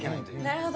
なるほど。